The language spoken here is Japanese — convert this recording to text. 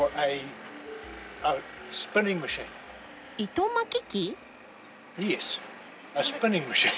糸巻き機？